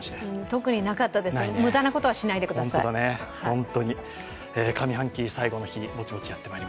特になかったです、無駄なことはしないでください。